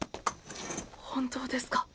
本当ですか？